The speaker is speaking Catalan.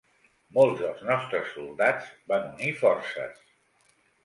Molts dels nostres soldats van unir forces.